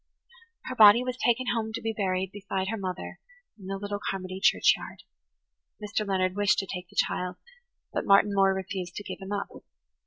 Her body was taken home to be buried beside her mother in the little Carmody churchyard. Mr. Leonard wished to take the child, but Martin Moore refused to give him up.